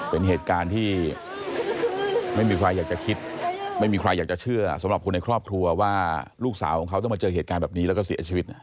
เป็นเหตุการณ์ที่ไม่มีใครอยากจะคิดไม่มีใครอยากจะเชื่อสำหรับคนในครอบครัวว่าลูกสาวของเขาต้องมาเจอเหตุการณ์แบบนี้แล้วก็เสียชีวิตนะ